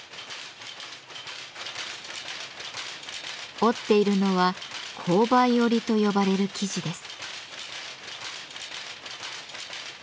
織っているのは「紅梅織」と呼ばれる生地です。